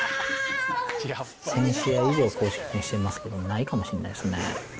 １０００試合以上、公式戦ですけれども、ないかもしれないですね。